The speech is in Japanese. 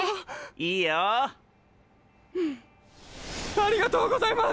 ありがとうございます！